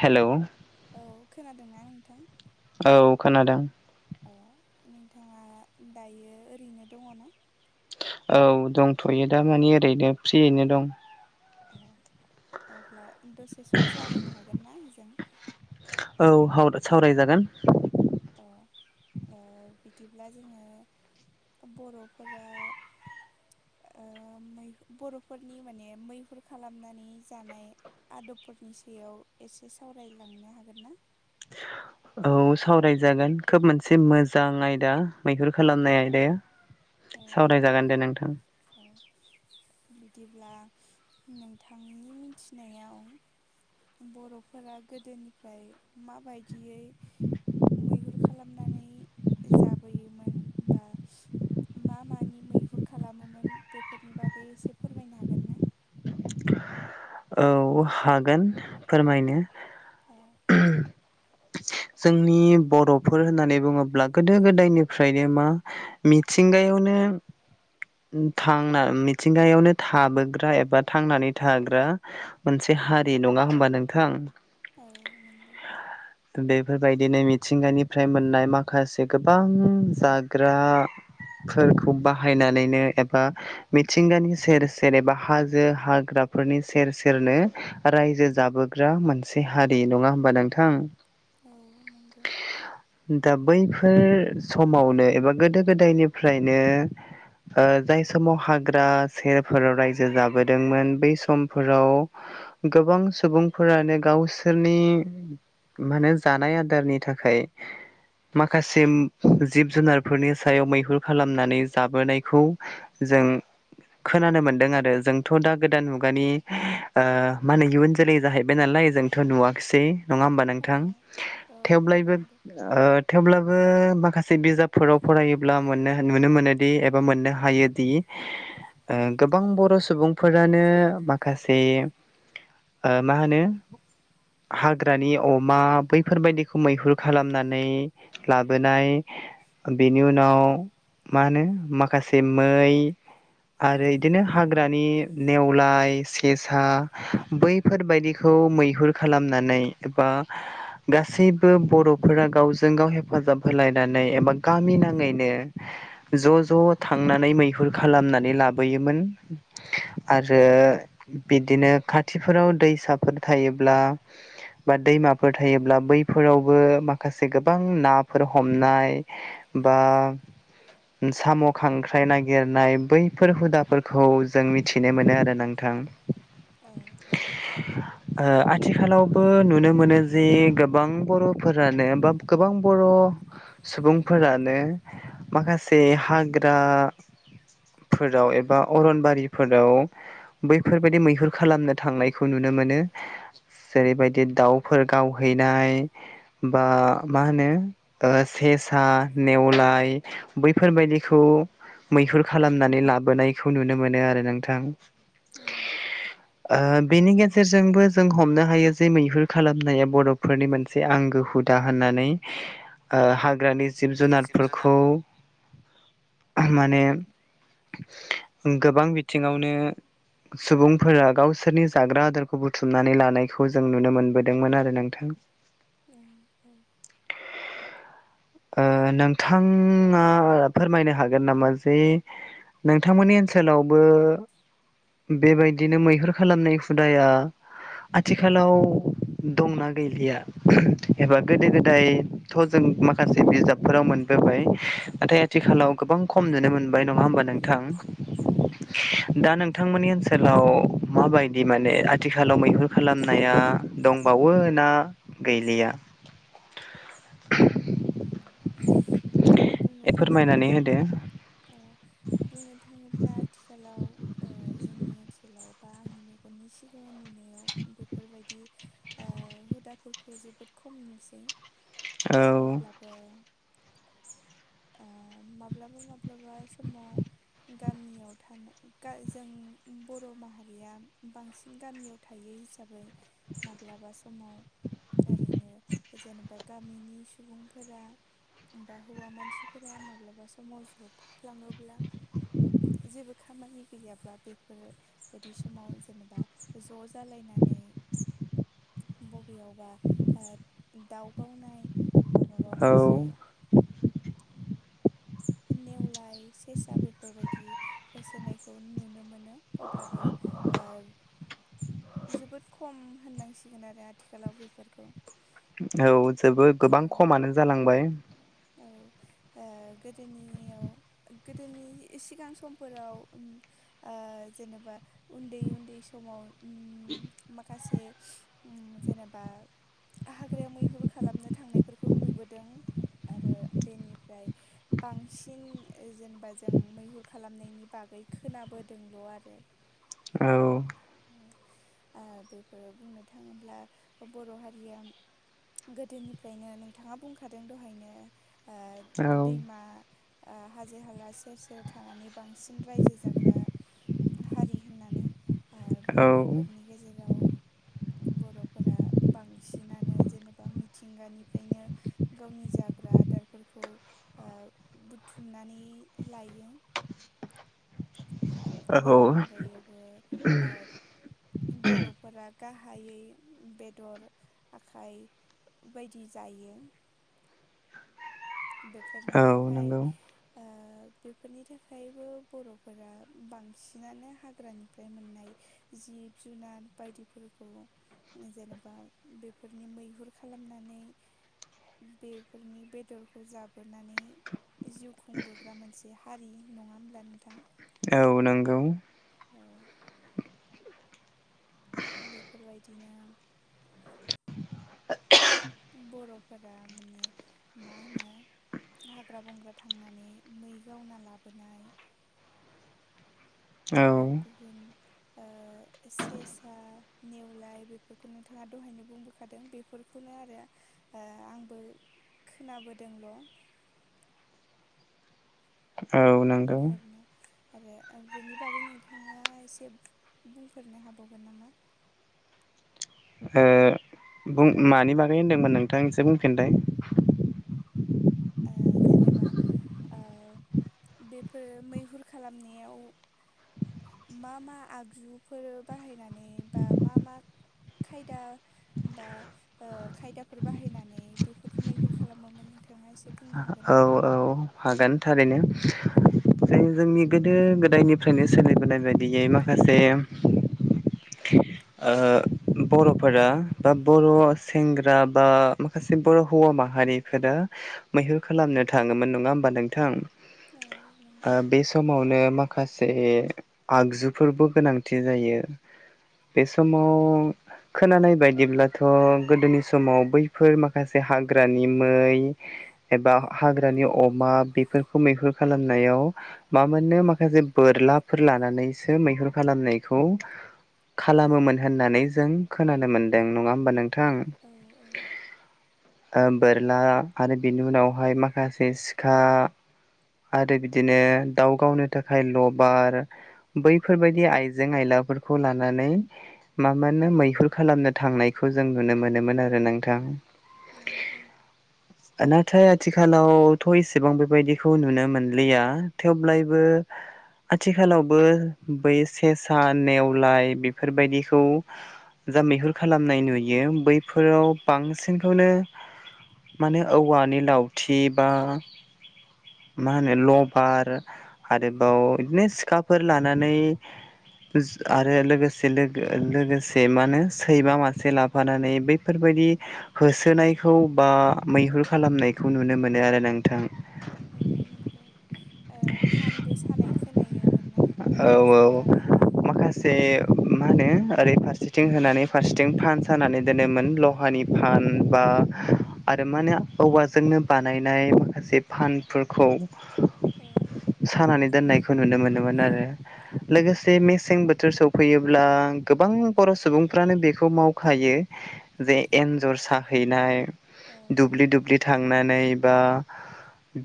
Hello औ खोनादों ना नोंथां? औ खोनादों। अ नोंथाङा दायो ओरैनो दङ ना? औ दंथ'यो दामानि ओरैनो फ्रियैनो दं। औ अब्ला दसे सम सावरायनो हागोन ना आंजों? औ हाव-सावराय जागोन। अ ओ बिदिब्ला जोङो बर'फोरा ओ मैहु बर'फोरनि माने मैहुर खालामनानै जानाय आदबफोरनि सायाव एसे सावरायलांनो हागोन ना। औ सावरायजागोन खोब मोनसे मोजां आयदा मैहुर खालामनाय आयदाया। औ सावरायजागोन दे नोंथां। औ। बिदिब्ला नोंथांनि मिथिनायाव बर'फोरा गोदोनिफ्राय माबायदियै मैहुर खालामनानै जाबोयोमोन बा मा मानि मैहुर खालामोमोन बेफोरनि बागै एसे फोरमायनो हागोन ना? औ हागोन फोरमायनो। औ जोंनि बर'फोर होननानै बुङोब्ला गोदो गोदायनिफ्रायनो मा मिथिंगायावनो उम थांना मिथिंगायावनो थाबोग्रा एबा थांनानै थाग्रा मोनसे हारि नङा होमबा नोंथां? औ नंगौ। बेफोरबायदिनो मिथिंगानिफ्राय मोननाय माखासे गोबां जाग्रा फोरखौ बाहायनानैनो एबा मिथिंगानि सेर सेर एबा हाजो हाग्राफोरनि सेर सेरनो रायजो जाबोग्रा मोनसे हारि नङा होमबा नोंथां? औ नंगौ। दा बैफोर समावनो एबा गोदो गोदायनिफ्रायनो ओ जाय समाव हाग्रा सेरफोराव रायजो जाबोदोंमोन बै सम फोराव गोबां सुबुंफोरानो गावसोरनि मा होनो जानाय आदारनि थाखाय माखासे उम जिब जुनारफोरनि सायाव मैहुर खालामनानै जाबोनायखौ जों खोनानो मोनदों आरो जोंथ' दा गोदान मुगानि ओ मा होनो गियुन जोलै जाहैबाय नालाय जोंथ' नुवाखसै। नङा होमबा औ नोंथां औ औ थेवब्लायबो नंगौ ओ थेवब्लाबो माखासे बिजाबफोराव फरायोब्ला मोननो नुनो मोनो दि एबा मोननो हायोदि [unintelligible] ओ गोबां बर' सुबुंफोरानो माख खासे ओ मा होनो हाग्रानि अमा बैफोरबायदिखौ मैहुर खालामनानै लाबोनाय बेनि उनाव मा होनो माखासे मै आरो इदिनो हाग्रानि नेवलाय सेसा बैफोरबायदिखौ मैहुर खालामनानै एबा गासैबो बर'फोरा गावजों गाव हेफाजाब होलायनानै एबा गामि नाङैनो ज' ज' थांनानै मैहुर खालामनानै लाबोयोमोन। आरो बिदिनो खाथिफोराव दैसाफोर थायोब्ला बा दैमाफोर थायोब्ला बैफोरावबो माखासे गोबां नाफोर हमनाय बा उम साम' खांख्राइ नागिरनाय बैफोर हुदाफोरखौ जों मिथिनो मोनो आरो नोंथां। औ औ। ओ आथिखालावबो नुनो मोनो जे गोबां बर'फोरानो बा गोबां बर' सुबुंफोरानो माखासे हाग्रा फोराव एबा अरनबारिफोराव फोरबायदि मैहुर खालामनो थांनायखौ नुनो मोनो। जेरैबायदि दाउफोर गावहैनाय बा मा होनो ओ सेसा, नेवलाय बैफोरबायदिखौ मैहुर खालामनानै लाबोनायखौ नुनो मोनो आरो नोंथां। औ। ओ-बेनि गेजेरजोंबो जों हमनो हायो जे मैहुर खालामनाया बरफोरनि मोनसे से आंगो हुदा होननानै ओ-हाग्रानि जिब जुनारफोरखौ माने गोबां बिथिङावनो सुबुंफोरा गावसोरनि जाग्रा आदारखौ बुथुमनानै लानायखौ जों नुनो मोनबोदोंमोन आरो नोंथां। औ औ। ओ-नोंथाङा फोरमायनो हागोन नामा जे नोंथांमोननि ओनसोलावबो बेबायदिनो मैहुर खालामनाय हुदाया आथिखालाव दंना गैलिया? एबा गोदो गोदायथ जों माखासे बिजाबफोराव मोनबोबाय नाथाय आथिखालाव गोबां खम नुनो मोनबाय नंङा होमबा नोंथां। औ औ दा नोंथांमोननि ओनसोलाव माबायदि माने आथिखालाव मैहुर खालामनाया। दंबावो ना गैलिया। बुंनो ए थांङोब्ला फोरमायनानै होदो औ बुंनो थांङोब्ला आथिखालाव ओ-जोंनि ओनसोलाव बा आंनि मेगननि सिगांङाव नुनो बेफोरबायदि ओ-हुदाफोरखौ जोबोद खम नुसै। औ अब्लाबो माब्लाबा माब्लाबा समाव। गामियाव थानाय जों बर माहारिया बांसिन गामियाव। थायो हिसाबै माब्लाबा समाव। ओरैनो जेनेबा गामिनि सुबुंफोरा बा हौवा मानसि। फोरा माब्लाबा समाव जर थाफ्लांङोब्ला। जेबो खामानि गैयाब्ला बेफोरबायायदि समाव जेनेबा ज ज जालायनानै बबेयावबा दाव गावनाय माबाबा औ मोनसे। नेवलाय सेसा बेफोरबायदि होसोनायखौ नुनो मोन अब्लाबो जोबोद खम होननांसिगोन आरो। आथिखालाव बेफोरखौ औ जोबो गोबां औ खमानो जालांबाय। औ ओ-गोदोनियाव गोदोनि सिगां समफोराव। ओ-जेनेबा उन्दै उन्दै समाव उम माखासे उम जेनेबा हाग्रायाव मैहुर खालामनो थांनायफोरखौ नुबोदों। आरो बेनिफ्राय बांसिन जेनेबा जों मैहुर खालामनायनि बागै। खोनाबोदोंल आरो औ बेफोरो बुंनो थांङोब्ला बर हारिया। गोदोनिफ्रायनो नोंथांङा बुंखादों दहायनो। औ ओ-दैमा हाजो हाला सेर सेर थानानै बांसिन रायजो जाग्रा हारि होननानै। औ ओ-बेफोरनि गेजेराव। बरफोरा बांसिनानो जेनेबा मिथिंगानिफ्रायनो गावनि जा आदारफोरखौ ओ-बुथुमनानै लायो। बेनि औ अनगायैबो ओब बरफोरा गाहायै बेदर। आखाइ बायदि जायो। बेफोरनि औ थाखाय। नंगौ ओ-बेफोरनि थाखायबो बरफोरा बांसिनानो हाग्रानि ओमफ्राय मोननाय जिब जुनार बायदिफोरखौ जेनेबा बेफोरनि मैहुर खालामनानै बेफोरनि बेदर खौ जाबोनानै जिउ खुंबोग्रा मोनसे हारि नंङा होमब्ला नोंथां? औ नंगौ औ बेफोरबायदिनो बर' फोरा माने मा होनो हाग्रा बंग्रा थांनानै मै गावना लाबोनाय औ आरो गुबुन ओ सेसा, नेवलाय बेफोरखौ नोंथाङा दहायनो बुंबोखादों बे बेफोरखौनो आरो ओ आंबो खोनाबोदोंल'। औ नंगौ बेफोरनो आरो बेनि बागै नोंथाङा एसे बुंफोरनो हाबावगोन नामा? ओ बुं मानि बागै होनदोंमोन नोंथां एसे बुंफिनलाय। ओ जेनेबा ओ बेफोर मैहुर खालामनायाव मा मा आगजुफोर बाहायनानै बा मा मा खायदा बा ओ खायदाफोर बाहायनानै बेफोरखौ मैहुर खालामोमोन नोंथाङा एसे बुंनो हागोन औ ना? औ हागोन थारैनो जे जोंनि गोदो गोदायनिफ्रायनो सोलिबोनाय बायदि बियो माखासे बे [inaudible] ओ बर'फोरा बा बर' सेंग्रा बा माखासे बर' हौवा माहारि होनो मैहुर खालामनो थाङोमोन नङा होमबा नोंथां औ नंगौ ओ बै सम समावनो माखासे आगजुफोरबो गोनांथि जायो। बे समाव खोनानाय बायदिब्लाथ' गोदोनि समाव बैफोर माखासे हाग्रानि मै, एबा हाग्रानि अमा बेफोरखौ मैहुर खालामनायाव मामोन नो माखासे बोरलाफोर लानानैसो मैहुर खालामनायखौ खालामोमोन होननानै जों खोनानो मोनदों नङा होमबा नों थां औ औ ओ बोरला आरो बिनि उनावहाय माखासे सिखा आरो बिदिनो दाव गावनो थाखाय लबार बैफोरबायदि आइजें आयलाफोरखौ लानानै मामोननो मैहुर खालामनो थांनायखौ जों नुनो मोनोमोन आरो नोंथां। औ औ नाथाय आथिखालावथ' एसेबां बेबायदिखौ नुनो मोनलिया थेवब्लायबो आथिखालावबो बै सेसा, नेवलाय बेफोरबायदिखौ जा मैहुर खालामनाय नुयो बैफोराव बांसिनखौनो मानो औवानि लावथि बा मा होनो लबार आरोबाव बिदिनो सिखाफोर लानानै जों आरो लोगोसे लोगोसे मा होनो सैमा मासे लाब फानानै बैफोरबायदि होसोनायखौ बा मैहुर खालामनायखौ नुनो मोनो आरो नोंथां। अ नंगौ ओ फानबो सानाय खोनायोमोन ना औ औवाजों बानायनाय? माखासे मा होनो ओरै फारसेथिं होनानै फारसेथिं फान सानानै दोनोमोन लहानि फान बा आरो माने औवाजोंनो बानायनाय माखासे फानफोरखौ औ सानानै दोननायखौ नुनो मोनोमोन आरो। लोगोसे मेसें बोथोर सौ फैयोब्ला गोबां बर' सुबुंफ्रानो बेखौ मावखायो। जे एन्जर साहैनाय औ औ दुब्लि दुब्लि थांनानै बा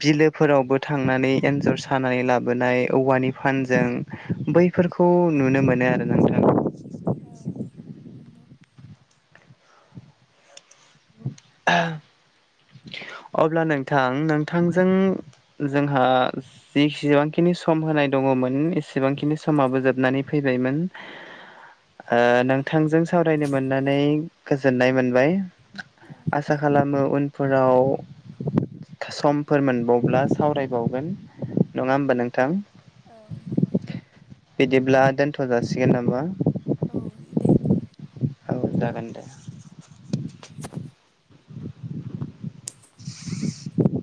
बिलोफोरावबो थांनानै एन्जर सानानै लाबोनाय औवानि फान जों बैफोरखौ नुनो मोनो आरो नोंथां। औ नोंगौ। [inaudible] अब्ला नोंथां नोंथांजों जोंहा जिखिआनखिनि सम होनाय दङमोन एसेबांखिनि समाबो जोबनानै फैबायमोन ओ नोंथांजों सावरायनो मोननानै गोजोननाय मोनबाय औ आसा खालामो उनफोराव समफोर मोनबावब्ला सावरायबावगोन नङा होमबा नोंथां। औ नंगौ नंगो। बिदिब्ला दोनथ' जासिगोन नामा? औ दे। औ जागोन दे। [unintelligible]